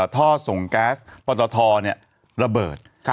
ท่อส่งแก๊สปตทระเบิด